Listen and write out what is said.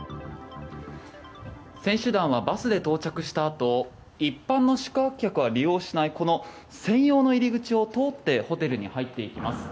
選手団はバスで到着したあと一般の宿泊客は利用しないこの専用の入り口を通ってホテルに入っていきます。